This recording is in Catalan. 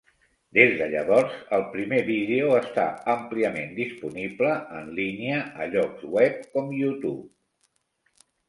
Des de llavors, el primer vídeo està àmpliament disponible en línia a llocs web com YouTube.